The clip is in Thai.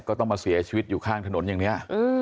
ก็ต้องมาเสียชีวิตอยู่ข้างถนนอย่างนี้